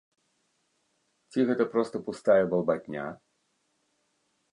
Ці гэта проста пустая балбатня?